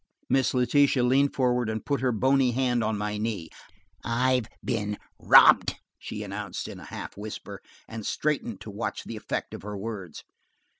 Miss Letitia leaned forward and put her bony hand on my knee. "I've been robbed," she announced in a half whisper, and straightened to watch the effect of her words.